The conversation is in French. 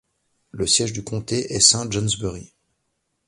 Le siège du comté est Saint-Johnsbury.